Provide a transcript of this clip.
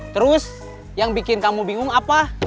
terus yang bikin kamu bingung apa